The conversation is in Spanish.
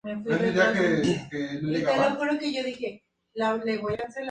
Dentro de las fiestas patronales cabe destacar dos días en especial.